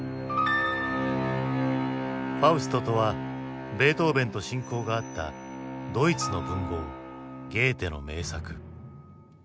「ファウスト」とはベートーヴェンと親交があったドイツの文豪ゲーテの名作。